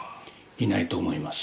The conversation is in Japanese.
いないと思います。